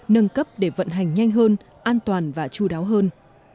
nâng cấp để vận hành nhanh hơn an toàn và chú đáo hơn